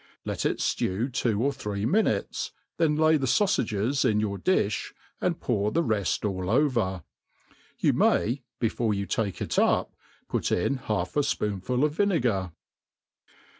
Let it ftew two or three minutes, then lay the faufages in your difh^ and pour the reft all over. You mayy before you take it up, put in half a fpoonful of vinegar.